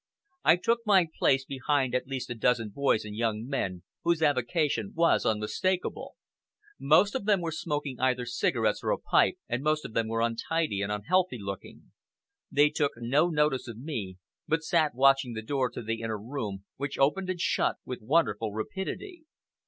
I took my place behind at least a dozen boys and young men, whose avocation was unmistakable. Most of them were smoking either cigarettes or a pipe, and most of them were untidy and unhealthy looking. They took no notice of me, but sat watching the door to the inner room, which opened and shut with wonderful rapidity.